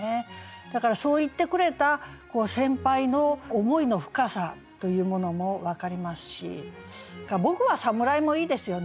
だからそう言ってくれた先輩の思いの深さというものも分かりますし「僕は侍」もいいですよね